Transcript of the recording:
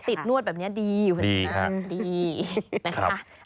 ติดนวดแบบนี้ดีดีค่ะดี